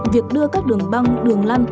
việc đưa các đường băng đường lăn